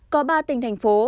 có ba tỉnh thành phố